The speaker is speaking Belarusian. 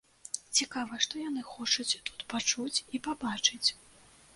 Цікава, што яны хочуць тут пачуць і пабачыць?